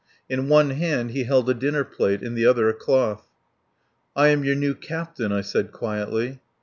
In one hand he held a dinner plate, in the other a cloth. "I am your new Captain," I said quietly.